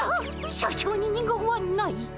社長に二言はない。